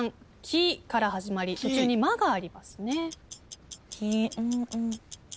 「き」から始まり途中に「ま」がありますね。